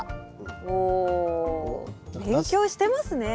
お勉強してますね。